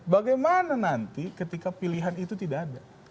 bagaimana nanti ketika pilihan itu tidak ada